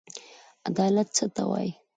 عدالت څه ته وايي؟